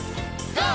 ＧＯ！